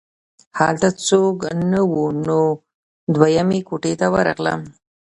هلته څوک نه وو نو دویمې کوټې ته ورغلم